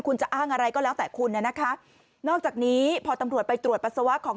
คุณจะอ้างอะไรก็แล้วแต่คุณน่ะนะคะนอกจากนี้พอตำรวจไปตรวจปัสสาวะของ